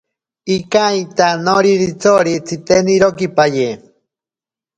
Ikainta noriritsori tsitenirokipaye.